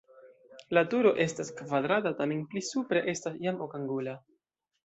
La turo estas kvadrata, tamen pli supre estas jam okangula.